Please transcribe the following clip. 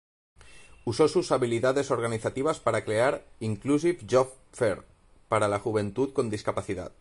Usó sus habilidades organizativas para crear 'Inclusive Job Fair' para la juventud con discapacidad.